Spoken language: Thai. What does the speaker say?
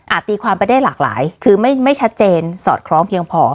ตีความไปได้หลากหลายคือไม่ชัดเจนสอดคล้องเพียงพอ